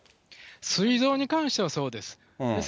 すい臓に関してはそうです。